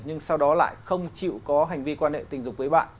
nhưng sau đó lại không chịu có hành vi quan hệ tình dục với bạn